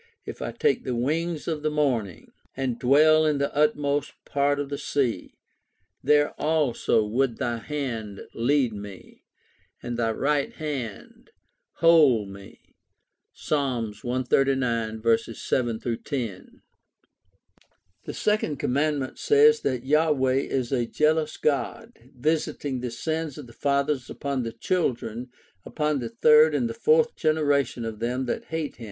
If I take the wings of the morning. And dwell in the uttermost part of the sea; There also would thy hand lead me, And thy right hand hold me [Ps. 139:7 10]. The Second Commandment says that Yahweh is " a jealous God, visiting the sins of the fathers upon the children, upon the third and the fourth generation of them that hate" him.